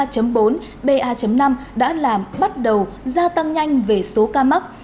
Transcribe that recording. trong nhiều nước trên thế giới biến thể phụ ba bốn ba năm đã làm bắt đầu gia tăng nhanh về số ca mắc